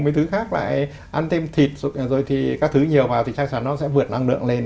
mấy thứ khác lại ăn thêm thịt rồi thì các thứ nhiều vào thì chắc chắn nó sẽ vượt năng lượng lên